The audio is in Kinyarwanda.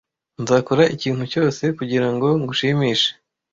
Nzakora ikintu cyose kugirango ngushimishe.